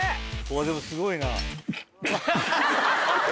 でもすごいな。